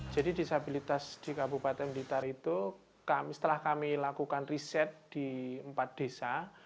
jadi disabilitas di kabupaten blitar itu setelah kami lakukan riset di empat desa